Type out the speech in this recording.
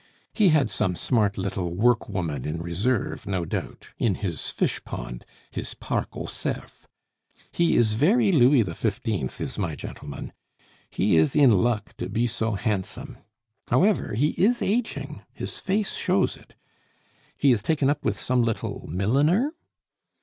He had some smart little work woman in reserve, no doubt in his fish pond his Parc aux cerfs! He is very Louis XV., is my gentleman. He is in luck to be so handsome! However, he is ageing; his face shows it. He has taken up with some little milliner?"